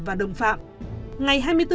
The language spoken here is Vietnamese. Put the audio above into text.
và đồng phạm